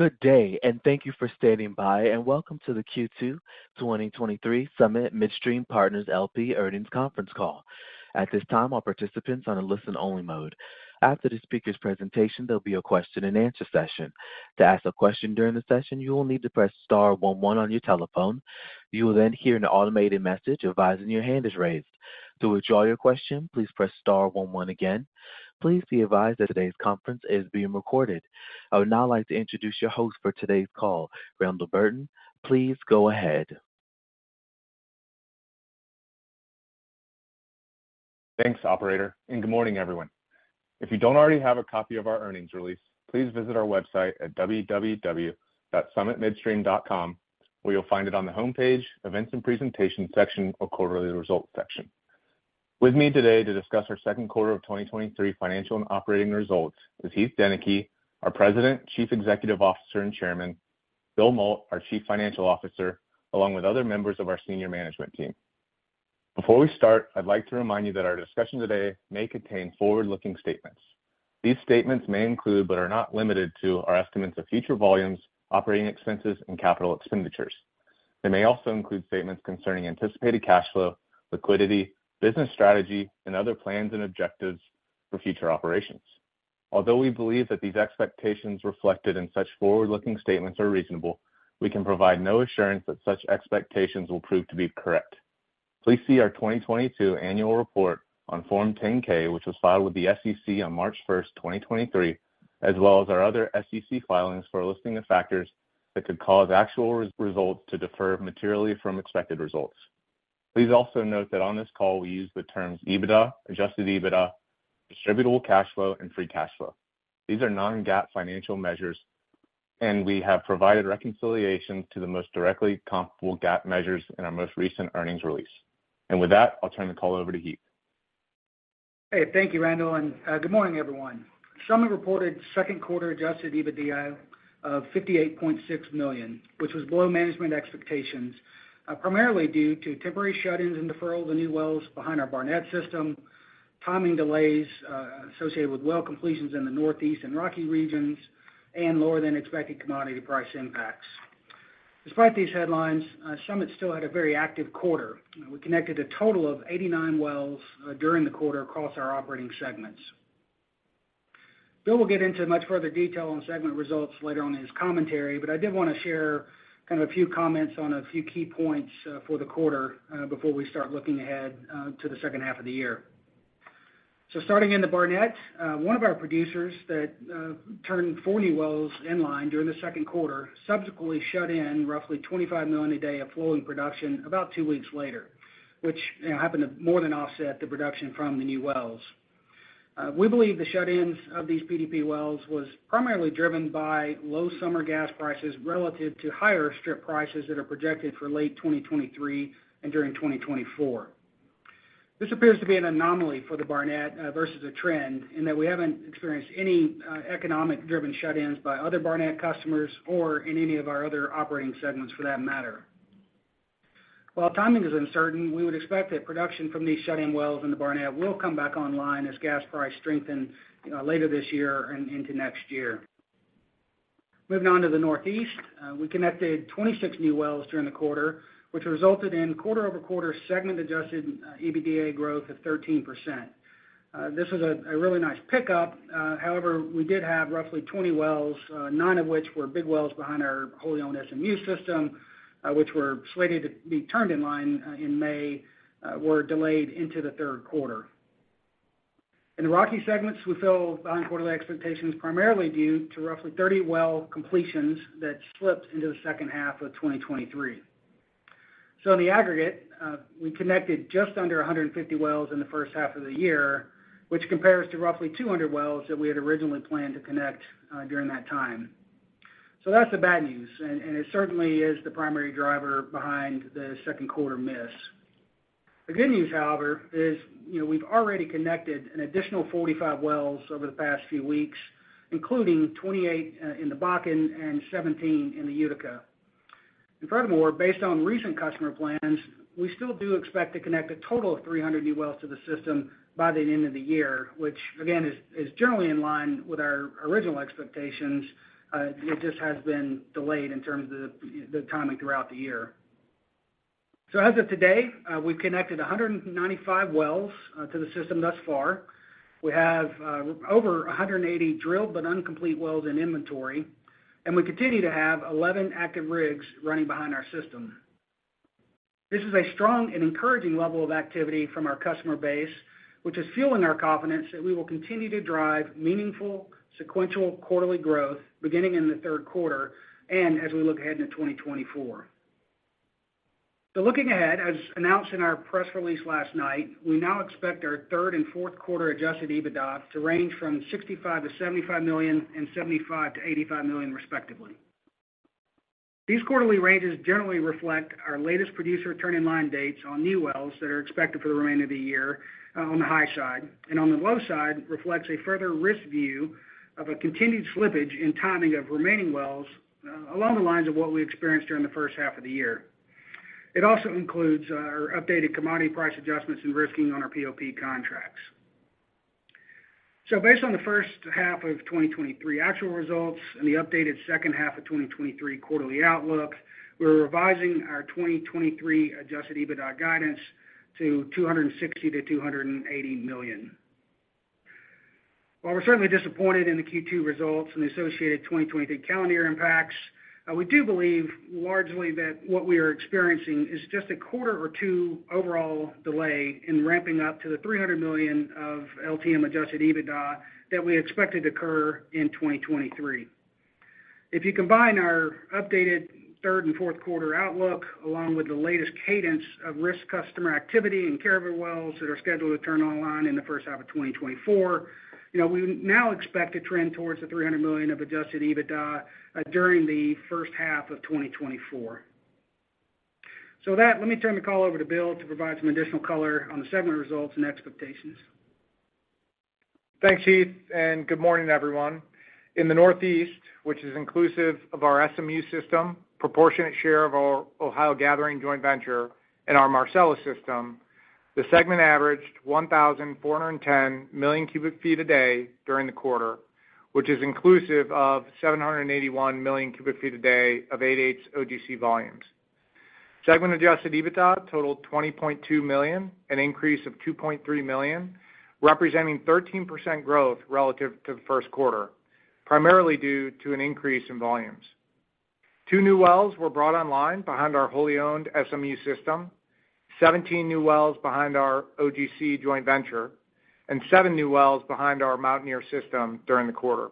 Good day, thank you for standing by, and welcome to the Q2 2023 Summit Midstream Partners, LP Earnings Conference Call. At this time, all participants are on a listen-only mode. After the speaker's presentation, there'll be a question-and-answer session. To ask a question during the session, you will need to press star one one on your telephone. You will hear an automated message advising your hand is raised. To withdraw your question, please press star one one again. Please be advised that today's conference is being recorded. I would now like to introduce your host for today's call, Randall Burton. Please go ahead. Thanks, operator. Good morning, everyone. If you don't already have a copy of our earnings release, please visit our website at www.summitmidstream.com, where you'll find it on the homepage, Events and Presentation section or Quarterly Results section. With me today to discuss our second quarter of 2023 financial and operating results is Heath Deneke, our President, Chief Executive Officer, and Chairman, Bill Mault, our Chief Financial Officer, along with other members of our senior management team. Before we start, I'd like to remind you that our discussion today may contain forward-looking statements. These statements may include, but are not limited to, our estimates of future volumes, operating expenses, and CapEx. They may also include statements concerning anticipated cash flow, liquidity, business strategy, and other plans and objectives for future operations. Although we believe that these expectations reflected in such forward-looking statements are reasonable, we can provide no assurance that such expectations will prove to be correct. Please see our 2022 annual report on Form 10-K, which was filed with the SEC on March 1st, 2023, as well as our other SEC filings for a listing of factors that could cause actual results to differ materially from expected results. Please also note that on this call, we use the terms EBITDA, adjusted EBITDA, distributable cash flow, and free cash flow. These are non-GAAP financial measures. We have provided reconciliation to the most directly comparable GAAP measures in our most recent earnings release. With that, I'll turn the call over to Heath. Hey, thank you, Randall, and good morning, everyone. Summit reported second quarter adjusted EBITDA of $58.6 million, which was below management expectations, primarily due to temporary shut-ins and deferral of the new wells behind our Barnett system, timing delays, associated with well completions in the Northeast and Rockies regions, and lower than expected commodity price impacts. Despite these headlines, Summit still had a very active quarter. We connected a total of 89 wells during the quarter across our operating segments. Bill will get into much further detail on segment results later on in his commentary, but I did want to share kind of a few comments on a few key points for the quarter, before we start looking ahead to the second half of the year. Starting in the Barnett, one of our producers that turned 40 wells in line during the second quarter, subsequently shut in roughly $25 million a day of flowing production about 2 weeks later, which, you know, happened to more than offset the production from the new wells. We believe the shut-ins of these PDP wells was primarily driven by low summer gas prices relative to higher strip prices that are projected for late 2023 and during 2024. This appears to be an anomaly for the Barnett versus a trend, in that we haven't experienced any economic-driven shut-ins by other Barnett customers or in any of our other operating segments for that matter. While timing is uncertain, we would expect that production from these shut-in wells in the Barnett will come back online as gas prices strengthen later this year and into next year. Moving on to the Northeast, we connected 26 new wells during the quarter, which resulted in quarter-over-quarter segment adjusted EBITDA growth of 13%. This was a really nice pickup. However, we did have roughly 20 wells, 9 of which were big wells behind our wholly owned SMU system, which were slated to be turned in line in May, were delayed into the 3Q. In the Rocky segments, we fell behind quarterly expectations, primarily due to roughly 30 well completions that slipped into the second half of 2023. In the aggregate, we connected just under 150 wells in the first half of the year, which compares to roughly 200 wells that we had originally planned to connect, during that time. That's the bad news, and, and it certainly is the primary driver behind the second quarter miss. The good news, however, is, you know, we've already connected an additional 45 wells over the past few weeks, including 28 in the Bakken and 17 in the Utica. Furthermore, based on recent customer plans, we still do expect to connect a total of 300 new wells to the system by the end of the year, which again, is, is generally in line with our original expectations. It just has been delayed in terms of the, the timing throughout the year. As of today, we've connected 195 wells to the system thus far. We have over 180 drilled but uncomplete wells in inventory, and we continue to have 11 active rigs running behind our system. This is a strong and encouraging level of activity from our customer base, which is fueling our confidence that we will continue to drive meaningful sequential quarterly growth beginning in the third quarter and as we look ahead into 2024. Looking ahead, as announced in our press release last night, we now expect our third and fourth quarter adjusted EBITDA to range from $65 million-$75 million and $75 million-$85 million, respectively. These quarterly ranges generally reflect our latest producer turn-in-line dates on new wells that are expected for the remainder of the year, on the high side, and on the low side, reflects a further risk view of a continued slippage in timing of remaining wells, along the lines of what we experienced during the first half of the year. It also includes our updated commodity price adjustments and risking on our POP contract. Based on the first half of 2023 actual results and the updated second half of 2023 quarterly outlook, we're revising our 2023 adjusted EBITDA guidance to $260 million-$280 million. While we're certainly disappointed in the Q2 results and the associated 2023 calendar impacts, we do believe largely that what we are experiencing is just a quarter or two overall delay in ramping up to the $300 million of LTM adjusted EBITDA that we expected to occur in 2023. If you combine our updated third and fourth quarter outlook, along with the latest cadence of risk customer activity and caravan wells that are scheduled to turn online in the first half of 2024, you know, we now expect to trend towards the $300 million of adjusted EBITDA during the first half of 2024. With that, let me turn the call over to Bill to provide some additional color on the segment results and expectations. Thanks, Heath, and good morning, everyone. In the Northeast, which is inclusive of our SMU system, proportionate share of our Ohio Gathering joint venture and our Marcellus system, the segment averaged 1,410 million cubic feet a day during the quarter, which is inclusive of 781 million cubic feet a day of 8/8ths OGC volumes. Segment adjusted EBITDA totaled $20.2 million, an increase of $2.3 million, representing 13% growth relative to the first quarter, primarily due to an increase in volumes. Two new wells were brought online behind our wholly owned SMU system, 17 new wells behind our OGC joint venture, and seven new wells behind our Mountaineer system during the quarter.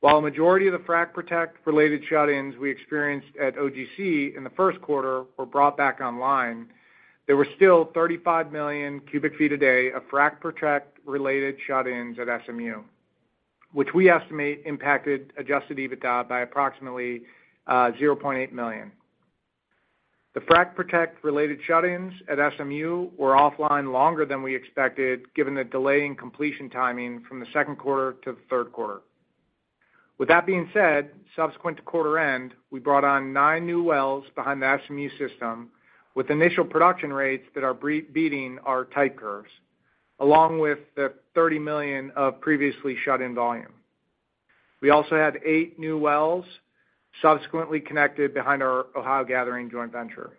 While a majority of the frac protect related shut-ins we experienced at OGC in the first quarter were brought back online, there were still 35 million cubic feet a day of frac protect related shut-ins at SMU, which we estimate impacted adjusted EBITDA by approximately $0.8 million. The frac protect related shut-ins at SMU were offline longer than we expected, given the delay in completion timing from the second quarter to the third quarter. With that being said, subsequent to quarter end, we brought on nine new wells behind the SMU system with initial production rates that are beating our type curves, along with the 30 million of previously shut-in volume. We also had eight new wells subsequently connected behind our Ohio Gathering joint venture.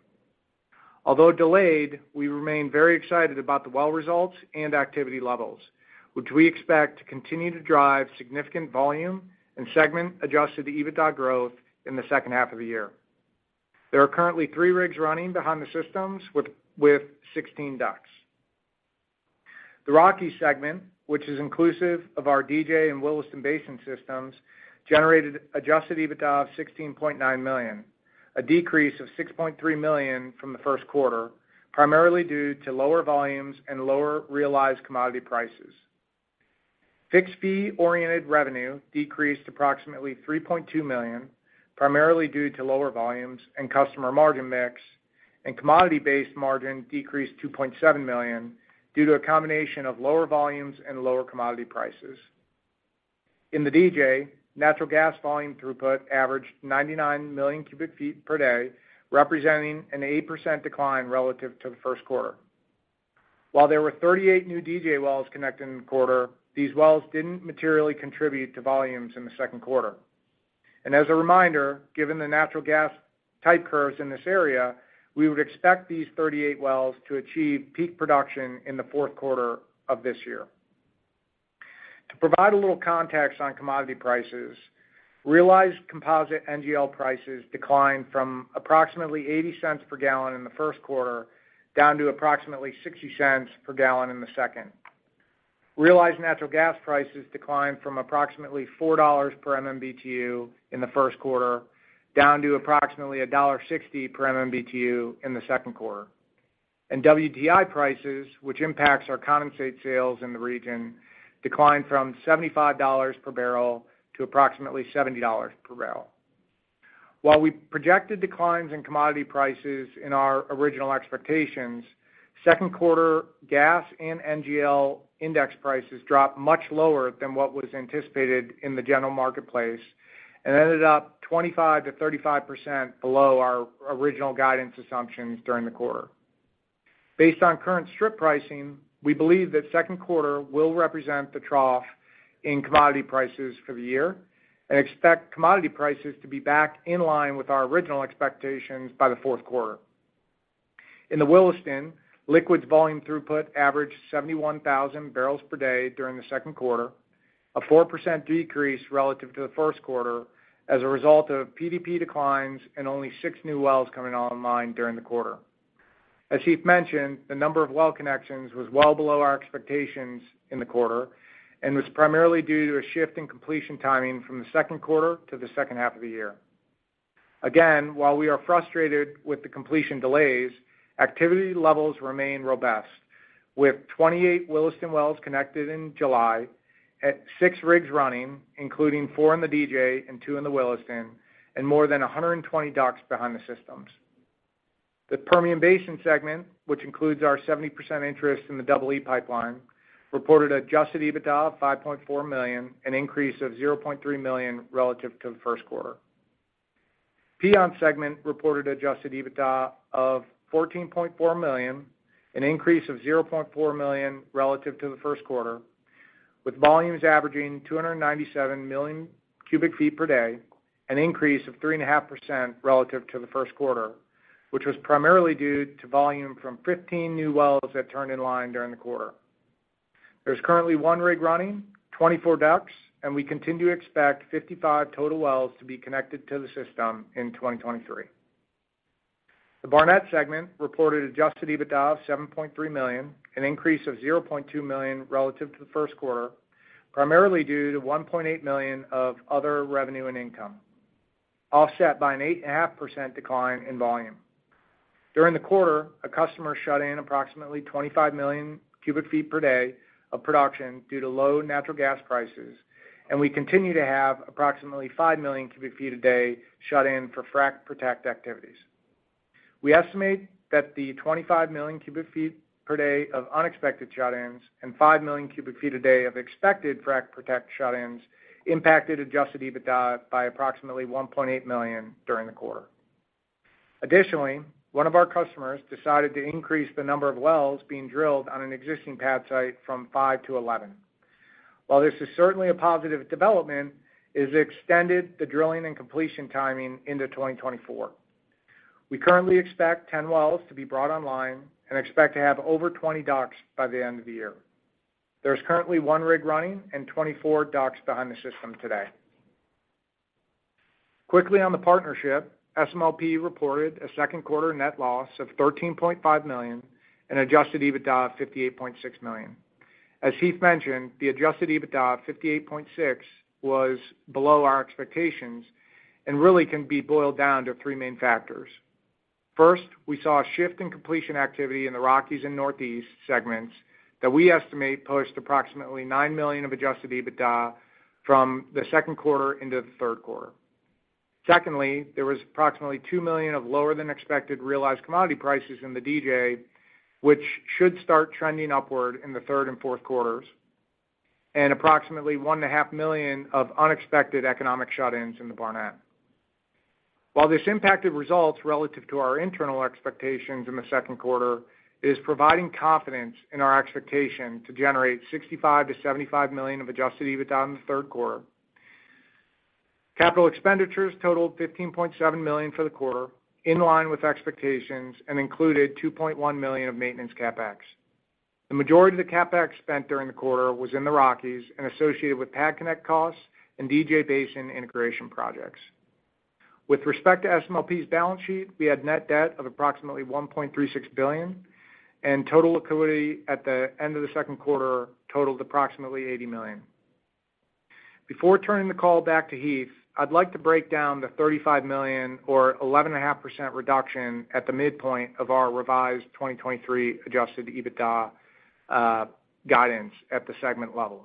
Although delayed, we remain very excited about the well results and activity levels, which we expect to continue to drive significant volume and segment adjusted EBITDA growth in the second half of the year. There are currently three rigs running behind the systems with 16 DUCs. The Rocky segment, which is inclusive of our DJ and Williston Basin systems, generated adjusted EBITDA of $16.9 million, a decrease of $6.3 million from the first quarter, primarily due to lower volumes and lower realized commodity prices. Fixed fee-oriented revenue decreased approximately $3.2 million, primarily due to lower volumes and customer margin mix, and commodity-based margin decreased $2.7 million due to a combination of lower volumes and lower commodity prices. In the DJ, natural gas volume throughput averaged 99 million cubic feet per day, representing an 8% decline relative to the first quarter. While there were 38 new DJ wells connected in the quarter, these wells didn't materially contribute to volumes in the second quarter. As a reminder, given the natural gas type curves in this area, we would expect these 38 wells to achieve peak production in the fourth quarter of this year. To provide a little context on commodity prices, realized composite NGL prices declined from approximately $0.80 per gallon in the first quarter, down to approximately $0.60 per gallon in the second. Realized natural gas prices declined from approximately $4 per MMBtu in the first quarter, down to approximately $1.60 per MMBtu in the second quarter. WTI prices, which impacts our condensate sales in the region, declined from $75 per barrel to approximately $70 per barrel. While we projected declines in commodity prices in our original expectations, second quarter gas and NGL index prices dropped much lower than what was anticipated in the general marketplace and ended up 25%-35% below our original guidance assumptions during the quarter. Based on current strip pricing, we believe that second quarter will represent the trough in commodity prices for the year and expect commodity prices to be back in line with our original expectations by the fourth quarter. In the Williston, liquids volume throughput averaged 71,000 barrels per day during the second quarter, a 4% decrease relative to the first quarter as a result of PDP declines and only 6 new wells coming online during the quarter. As Heath mentioned, the number of well connections was well below our expectations in the quarter and was primarily due to a shift in completion timing from the second quarter to the second half of the year. While we are frustrated with the completion delays, activity levels remain robust, with 28 Williston wells connected in July, at 6 rigs running, including 4 in the DJ and 2 in the Williston, and more than 120 DUCs behind the systems. The Permian Basin segment, which includes our 70% interest in the Double E Pipeline, reported adjusted EBITDA of $5.4 million, an increase of $0.3 million relative to the first quarter. Piceance segment reported adjusted EBITDA of $14.4 million, an increase of $0.4 million relative to the first quarter, with volumes averaging 297 million cubic feet per day, an increase of 3.5% relative to the first quarter, which was primarily due to volume from 15 new wells that turned in line during the quarter. There's currently 1 rig running, 24 DUCs, and we continue to expect 55 total wells to be connected to the system in 2023. The Barnett segment reported adjusted EBITDA of $7.3 million, an increase of $0.2 million relative to the first quarter, primarily due to $1.8 million of other revenue and income, offset by an 8.5% decline in volume. During the quarter, a customer shut in approximately 25 million cubic feet per day of production due to low natural gas prices. We continue to have approximately 5 million cubic feet a day shut in for frac protect activities. We estimate that the 25 million cubic feet per day of unexpected shut-ins and 5 million cubic feet a day of expected frac protect shut-ins impacted adjusted EBITDA by approximately $1.8 million during the quarter. Additionally, one of our customers decided to increase the number of wells being drilled on an existing pad site from 5 to 11. While this is certainly a positive development, it has extended the drilling and completion timing into 2024. We currently expect 10 wells to be brought online and expect to have over 20 DUCs by the end of the year. There's currently one rig running and 24 DUCs behind the system today. Quickly on the partnership, SMLP reported a second quarter net loss of $13.5 million and adjusted EBITDA of $58.6 million. As Heath mentioned, the adjusted EBITDA of $58.6 was below our expectations and really can be boiled down to three main factors. First, we saw a shift in completion activity in the Rockies and Northeast segments that we estimate pushed approximately $9 million of adjusted EBITDA from the second quarter into the third quarter. There was approximately $2 million of lower than expected realized commodity prices in the DJ, which should start trending upward in the third and fourth quarters, and approximately $1.5 million of unexpected economic shut-ins in the Barnett. While this impacted results relative to our internal expectations in the second quarter, it is providing confidence in our expectation to generate $65 million-$75 million of adjusted EBITDA in the third quarter. Capital expenditures totaled $15.7 million for the quarter, in line with expectations, and included $2.1 million of maintenance CapEx. The majority of the CapEx spent during the quarter was in the Rockies and associated with pad connect costs and DJ Basin integration projects. With respect to SMLP's balance sheet, we had net debt of approximately $1.36 billion, and total liquidity at the end of the second quarter totaled approximately $80 million. Before turning the call back to Heath, I'd like to break down the $35 million or 11.5% reduction at the midpoint of our revised 2023 adjusted EBITDA guidance at the segment level.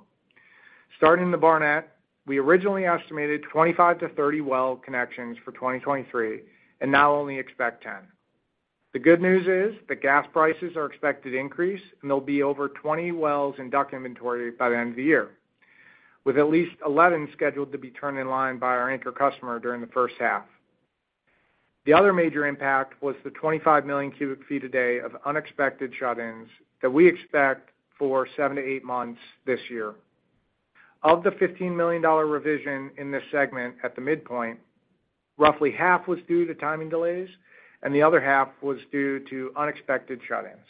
Starting in the Barnett, we originally estimated 25-30 well connections for 2023 and now only expect 10. The good news is that gas prices are expected to increase, and there'll be over 20 wells in DUC inventory by the end of the year, with at least 11 scheduled to be turned in line by our anchor customer during the first half. The other major impact was the 25 million cubic feet a day of unexpected shut-ins that we expect for 7-8 months this year. Of the $15 million revision in this segment at the midpoint, roughly half was due to timing delays, and the other half was due to unexpected shut-ins.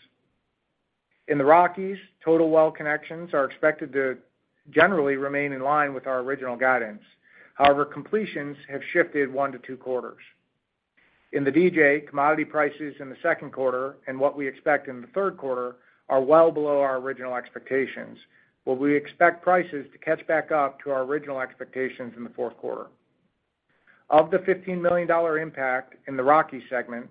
In the Rockies, total well connections are expected to generally remain in line with our original guidance. However, completions have shifted 1-2 quarters. In the DJ, commodity prices in the second quarter and what we expect in the third quarter are well below our original expectations, we expect prices to catch back up to our original expectations in the fourth quarter. Of the $15 million impact in the Rockies segment,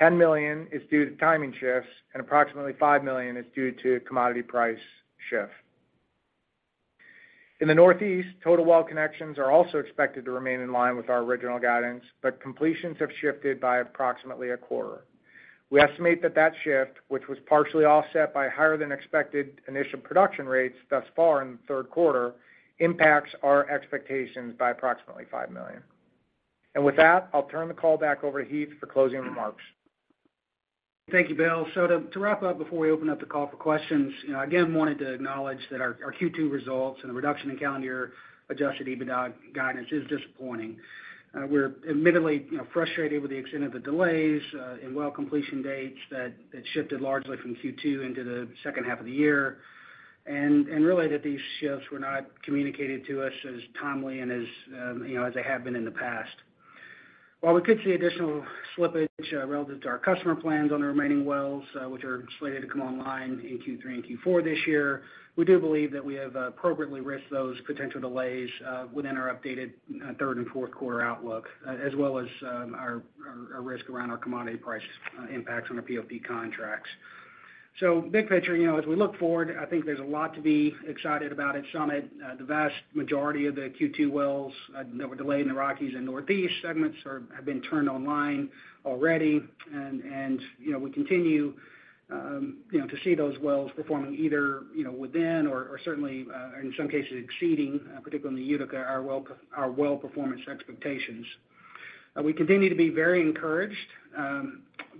$10 million is due to timing shifts and approximately $5 million is due to commodity price shift. In the Northeast, total well connections are also expected to remain in line with our original guidance, completions have shifted by approximately a quarter. We estimate that that shift, which was partially offset by higher than expected initial production rates thus far in the third quarter, impacts our expectations by approximately $5 million. With that, I'll turn the call back over to Heath for closing remarks. Thank you, Bill. To wrap up before we open up the call for questions, you know, again, wanted to acknowledge that our Q2 results and the reduction in calendar year adjusted EBITDA guidance is disappointing. We're admittedly, you know, frustrated with the extent of the delays and well completion dates that shifted largely from Q2 into the second half of the year, and really that these shifts were not communicated to us as timely and as, you know, as they have been in the past. While we could see additional slippage, relative to our customer plans on the remaining wells, which are slated to come online in Q3 and Q4 this year, we do believe that we have appropriately risked those potential delays, within our updated, third and fourth quarter outlook, as well as, our, our, our risk around our commodity price, impacts on the POP contracts. Big picture, you know, as we look forward, I think there's a lot to be excited about at Summit. The vast majority of the Q2 wells, that were delayed in the Rockies and Northeast segments have been turned online already. You know, we continue, you know, to see those wells performing either, you know, within or, or certainly, or in some cases exceeding, particularly in the Utica, our well performance expectations. We continue to be very encouraged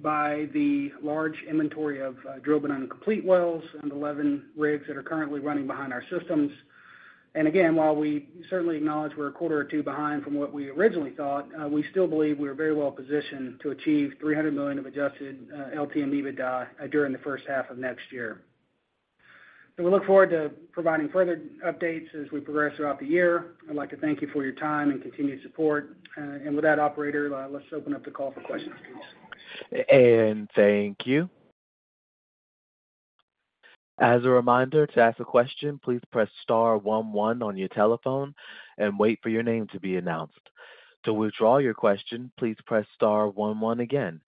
by the large inventory of drilled but uncompleted wells and 11 rigs that are currently running behind our systems. Again, while we certainly acknowledge we're a quarter or two behind from what we originally thought, we still believe we are very well positioned to achieve $300 million of adjusted LTM EBITDA during the first half of next year. We look forward to providing further updates as we progress throughout the year. I'd like to thank you for your time and continued support. With that, operator, let's open up the call for questions, please. Thank you. As a reminder, to ask a question, please press star one one on your telephone and wait for your name to be announced. To withdraw your question, please press star one one again.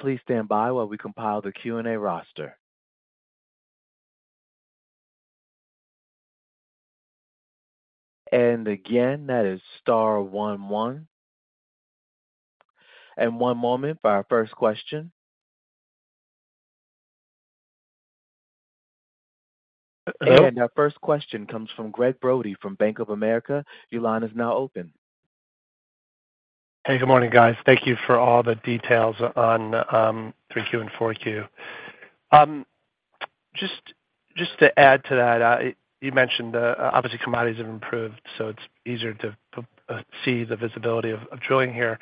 Please stand by while we compile the Q&A roster. Again, that is star one one. One moment for our first question. Our first question comes from Gregg Brody, from Bank of America. Your line is now open. Hey, good morning, guys. Thank you for all the details on 3Q and 4Q. Just to add to that, you mentioned, obviously, commodities have improved, so it's easier to see the visibility of drilling here.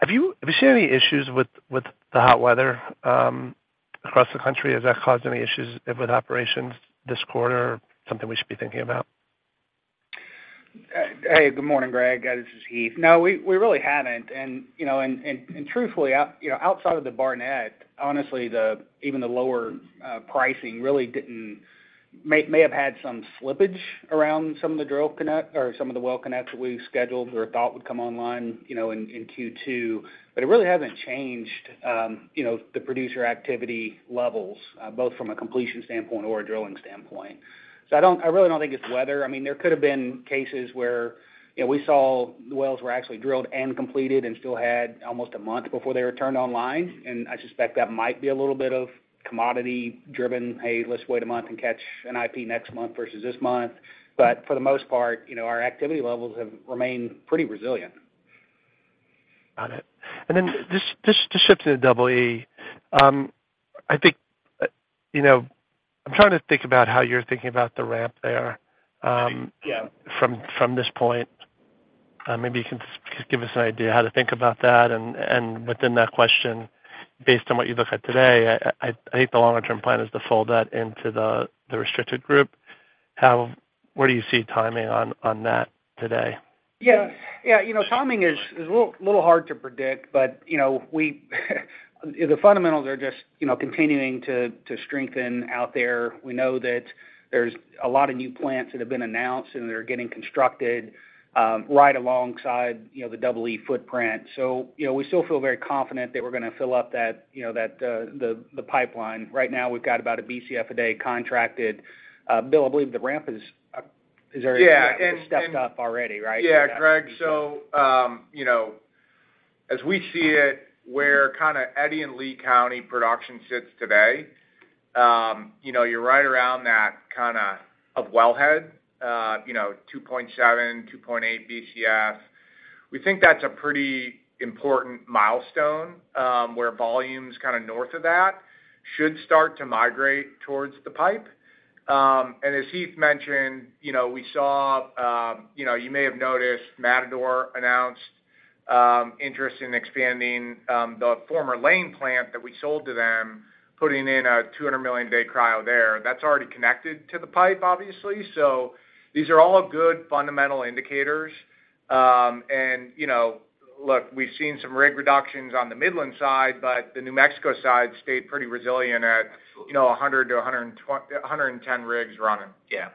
Have you seen any issues with the hot weather across the country? Has that caused any issues with operations this quarter or something we should be thinking about? Hey, good morning, Greg, this is Heath. No, we, we really haven't. You know, and, and, and truthfully, out, you know, outside of the Barnett, honestly, the-- even the lower pricing really didn't-- may, may have had some slippage around some of the drill connect-- or some of the well connects that we scheduled or thought would come online, you know, in, in Q2, but it really hasn't changed, you know, the producer activity levels, both from a completion standpoint or a drilling standpoint. I don't-- I really don't think it's weather. I mean, there could have been cases where, you know, we saw the wells were actually drilled and completed and still had almost a month before they were turned online, and I suspect that might be a little bit of commodity driven, "Hey, let's wait a month and catch an IP next month versus this month." For the most part, you know, our activity levels have remained pretty resilient. Got it. Then just, just to shift to the Double E. I think, you know, I'm trying to think about how you're thinking about the ramp there. Yeah. from, from this point. maybe you can just give us an idea how to think about that. Within that question, based on what you look at today, I, I, I think the longer-term plan is to fold that into the, the restricted group. what do you see timing on, on that today? Yeah. Yeah, you know, timing is, is a little, little hard to predict, but, you know, we the fundamentals are just, you know, continuing to, to strengthen out there. We know that there's a lot of new plants that have been announced, and they're getting constructed, right alongside, you know, the Double E footprint. You know, we still feel very confident that we're gonna fill up that, you know, that, the, the pipeline. Right now, we've got about 1 BCF a day contracted. Bill, I believe the ramp is already- Yeah. stepped up already, right? Yeah, Greg. You know, as we see it, where kind of Eddy and Lee County production sits today, you know, you're right around that kind of, of wellhead, you know, 2.7, 2.8 BCF. We think that's a pretty important milestone, where volumes kind of north of that should start to migrate towards the pipe. As Heath mentioned, you know, we saw, you know, you may have noticed Matador announced interest in expanding the former Lane plant that we sold to them, putting in a 200 million day cryo there. That's already connected to the pipe, obviously. These are all good fundamental indicators. You know, look, we've seen some rig reductions on the Midland side, but the New Mexico side stayed pretty resilient at- Absolutely. you know, 100-110 rigs running. Yeah.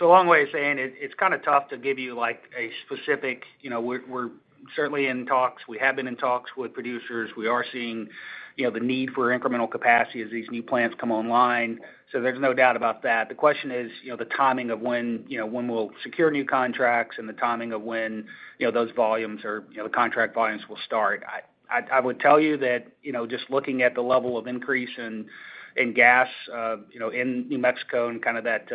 A long way of saying it, it's kind of tough to give you like a specific. You know, we're, we're certainly in talks. We have been in talks with producers. We are seeing, you know, the need for incremental capacity as these new plants come online. There's no doubt about that. The question is, you know, the timing of when, you know, when we'll secure new contracts and the timing of when, you know, those volumes or, you know, the contract volumes will start. I would tell you that, you know, just looking at the level of increase in, in gas, you know, in New Mexico and kind of that,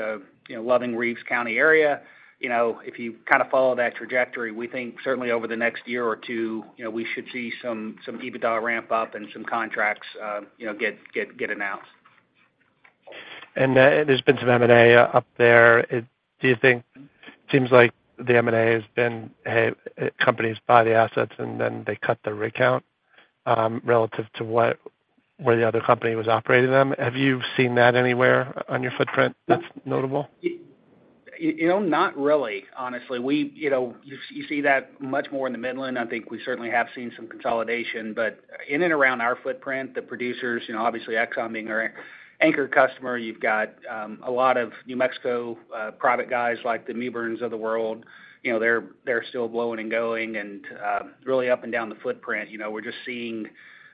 you know, Loving, Reeves County area, you know, if you kind of follow that trajectory, we think certainly over the next year or two, you know, we should see some, some EBITDA ramp up and some contracts, you know, get announced. There's been some M&A up there. It seems like the M&A has been, hey, companies buy the assets, and then they cut their rig count, relative to where the other company was operating them. Have you seen that anywhere on your footprint that's notable? You, you know, not really, honestly. You know, you, you see that much more in the Midland. I think we certainly have seen some consolidation, but in and around our footprint, the producers, you know, obviously, Exxon being our anchor customer, you've got a lot of New Mexico private guys like the Newby of the world, you know, they're, they're still blowing and going. Really up and down the footprint, you know, we're just seeing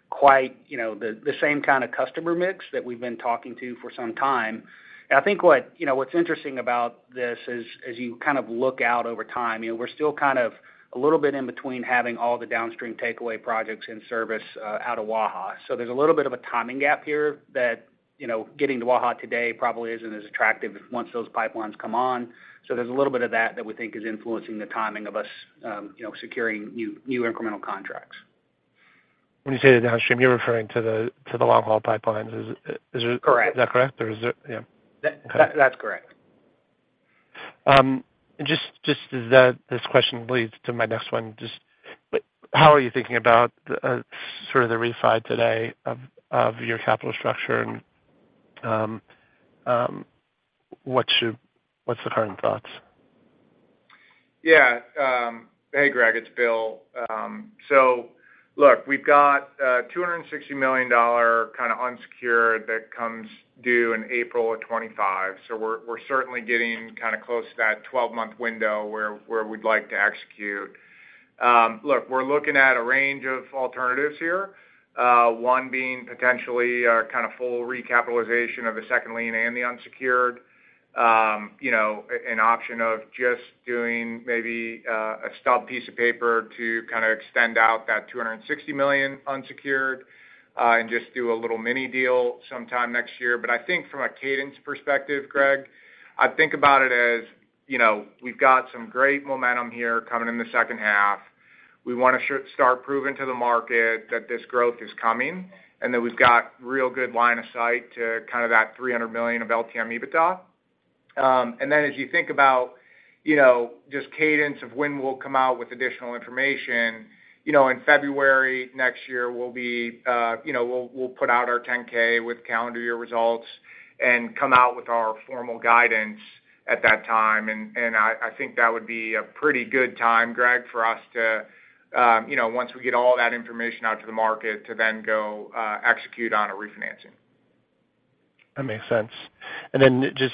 quite, you know, the, the same kind of customer mix that we've been talking to for some time. I think what, you know, what's interesting about this is, as you kind of look out over time, you know, we're still kind of a little bit in between having all the downstream takeaway projects in service out of Waha. There's a little bit of a timing gap here that, you know, getting to Waha today probably isn't as attractive once those pipelines come on. There's a little bit of that, that we think is influencing the timing of us, you know, securing new, new incremental contracts. When you say the downstream, you're referring to the, to the long-haul pipelines. Is, is it- Correct. Is that correct? Or is there, Yeah. That, that's correct. This question leads to my next one. How are you thinking about, sort of the refi today of, of your capital structure? What's the current thoughts? Yeah. Hey, Greg, it's Bill. Look, we've got $260 million kind of unsecured that comes due in April of 2025. We're, we're certainly getting kind of close to that 12-month window where, where we'd like to execute. Look, we're looking at a range of alternatives here. One being potentially a kind of full recapitalization of the second lien and the unsecured. You know, an option of just doing maybe a stub piece of paper to kind of extend out that $260 million unsecured and just do a little mini deal sometime next year. I think from a cadence perspective, Greg, I think about it as, you know, we've got some great momentum here coming in the second half. We want to start proving to the market that this growth is coming, and that we've got real good line of sight to kind of that $300 million of LTM EBITDA. As you think about, you know, just cadence of when we'll come out with additional information, you know, in February next year, we'll be, you know, we'll put out our 10-K with calendar year results and come out with our formal guidance at that time. I think that would be a pretty good time, Greg, for us to, you know, once we get all that information out to the market, to then go, execute on a refinancing. That makes sense. Then just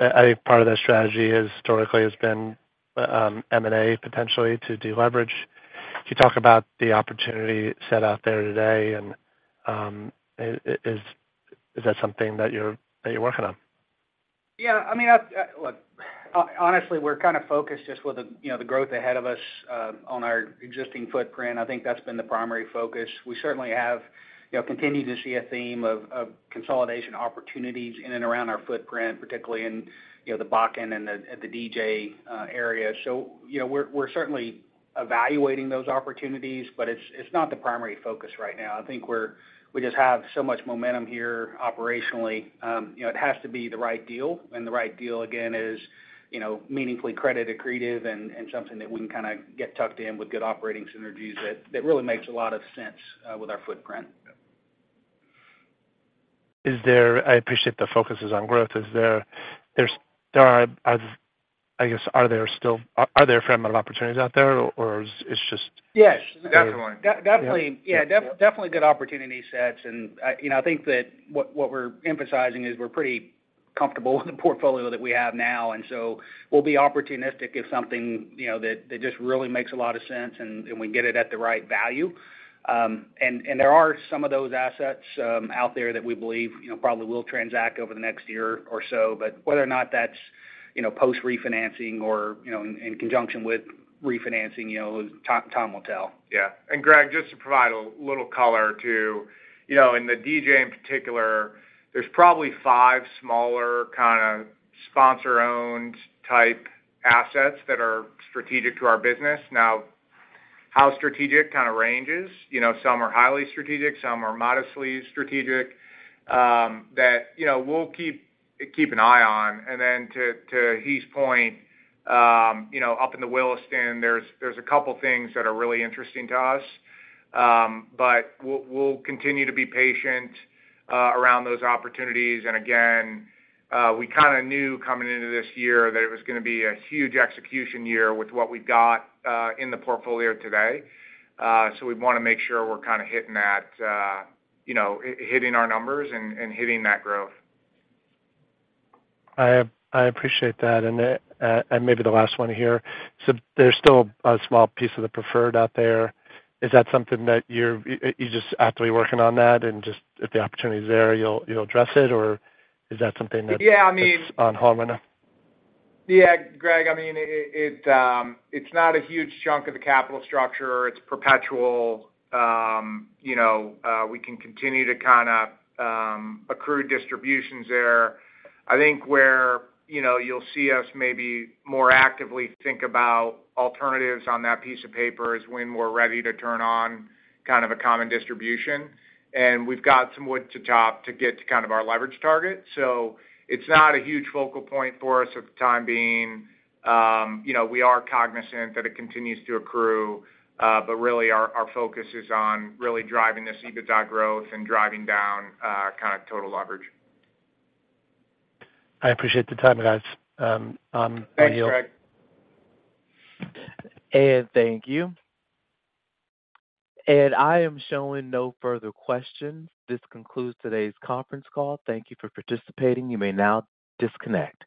as a part of that strategy has historically has been, M&A, potentially to deleverage. Can you talk about the opportunity set out there today? Is that something that you're, that you're working on? Yeah, I mean, look, honestly, we're kind of focused just with the, you know, the growth ahead of us, on our existing footprint. I think that's been the primary focus. We certainly have, you know, continued to see a theme of, of consolidation opportunities in and around our footprint, particularly in, you know, the Bakken and the, and the DJ area. You know, we're, we're certainly evaluating those opportunities, but it's, it's not the primary focus right now. I think we just have so much momentum here operationally. You know, it has to be the right deal, and the right deal, again, is, you know, meaningfully credit accretive and, and something that we can kind of get tucked in with good operating synergies that, that really makes a lot of sense with our footprint. I appreciate the focus is on growth. I guess, are there still fragmented opportunities out there, or is it's just? Yes. Definitely. Definitely. Yeah, definitely good opportunity sets. And, you know, I think that what, what we're emphasizing is we're pretty comfortable with the portfolio that we have now, and so we'll be opportunistic if something, you know, that, that just really makes a lot of sense and, and we get it at the right value. And, and there are some of those assets out there that we believe, you know, probably will transact over the next year or so. Whether or not that's, you know, post-refinancing or, you know, in, in conjunction with refinancing, you know, time, time will tell. Yeah. Gregg, just to provide a little color to, you know, in the DJ, in particular, there's probably five smaller kind of sponsor-owned type assets that are strategic to our business. Now, how strategic kind of ranges, you know, some are highly strategic, some are modestly strategic, that, you know, we'll keep, keep an eye on. Then to, to Heath's point, you know, up in the Williston, there's a couple things that are really interesting to us. We'll, we'll continue to be patient around those opportunities. Again, we kind of knew coming into this year that it was gonna be a huge execution year with what we've got in the portfolio today. We want to make sure we're kind of hitting that, you know, hitting our numbers and, and hitting that growth. I appreciate that. And maybe the last one here. There's still a small piece of the preferred out there. Is that something that you're just actively working on that, and just if the opportunity is there, you'll address it? Or is that something that- Yeah, I mean- It's on hold enough? Yeah, Greg, I mean, it's not a huge chunk of the capital structure. It's perpetual. You know, we can continue to kind of accrue distributions there. I think where, you know, you'll see us maybe more actively think about alternatives on that piece of paper is when we're ready to turn on kind of a common distribution, and we've got some wood to top to get to kind of our leverage target. It's not a huge focal point for us at the time being. You know, we are cognizant that it continues to accrue, but really, our, our focus is on really driving this EBITDA growth and driving down kind of total leverage. I appreciate the time, guys. Heath. Thanks, Greg. Thank you. I am showing no further questions. This concludes today's conference call. Thank you for participating. You may now disconnect.